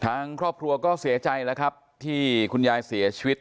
ทางครอบครัวก็เสียใจแล้วครับที่คุณยายเสียชีวิต